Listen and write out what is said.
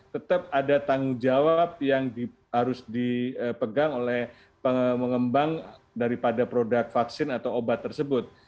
tetap ada tanggung jawab yang harus dipegang oleh pengembang daripada produk vaksin atau obat tersebut